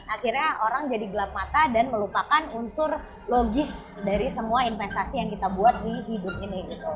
akhirnya orang jadi gelap mata dan melupakan unsur logis dari semua investasi yang kita buat di hidup ini